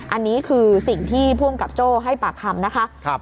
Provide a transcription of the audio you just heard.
อันนี้คือสิ่งที่ภูมิกับโจ้ให้ปากคำนะคะ